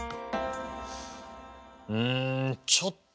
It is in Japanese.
うんちょっと